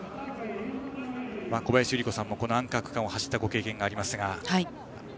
小林祐梨子さんもアンカー区間を走ったご経験がありました。